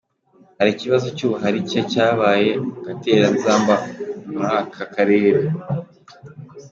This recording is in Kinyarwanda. harikibazo cy’ubuharike cyabaye agatereranzamba Muraka karere